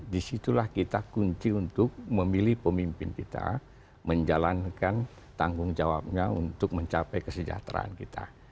disitulah kita kunci untuk memilih pemimpin kita menjalankan tanggung jawabnya untuk mencapai kesejahteraan kita